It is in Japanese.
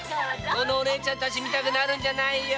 このお姉ちゃんたちみたくなるんじゃないよ！